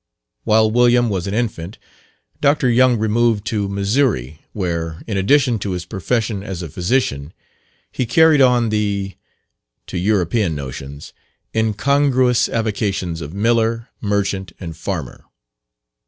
While William was an infant, Dr. Young removed to Missouri, where, in addition to his profession as a physician, he carried on the to European notions incongruous avocations of miller, merchant, and farmer.